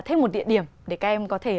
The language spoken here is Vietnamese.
thêm một địa điểm để các em có thể